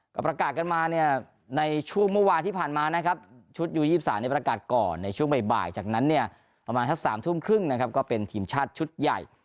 ก็ประกาศกันมาเนี่ยในช่วงเมื่อวานที่ผ่านมานะครับชุดยู๒๓ในประกาศก่อนในช่วงบ่ายจากนั้นเนี่ยประมาณสัก๓ทุ่มครึ่งนะครับก็เป็นทีมชาติชุดใหญ่